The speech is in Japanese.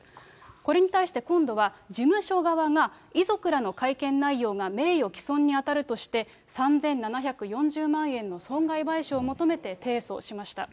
これに対して今度は事務所側が、遺族らの会見内容が名誉毀損に当たるとして、３７４０万円の損害賠償を求めて提訴しました。